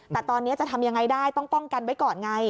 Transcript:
แต่ตอนนี้จะทำยังไงได้ต้องป้องกันไว้ก่อนไง